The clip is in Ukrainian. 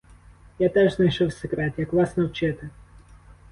Я теж знайшов секрет, як вас навчити.